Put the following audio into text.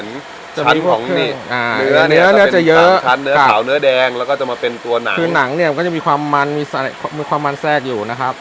ชั้นของนี่เนื้อเนื้อจะเยอะชั้นเนื้อขาวเนื้อแดงแล้วก็จะมาเป็นตัวหนังคือหนังเนี่ยมันก็จะมีความมันมีความมันแทรกอยู่นะครับ